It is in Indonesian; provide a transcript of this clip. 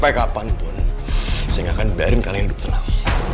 saya kapanpun sehingga akan biarin kalian hidup tenang